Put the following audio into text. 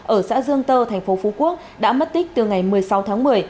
ở xã dương tơ thành phố phú quốc đã mất tích từ ngày một mươi sáu tháng một mươi